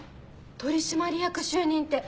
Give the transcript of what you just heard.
取締役就任って。